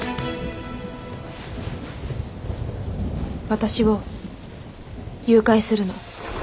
私を誘拐するの。